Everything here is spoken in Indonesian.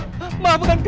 kami akan membaikkan hidup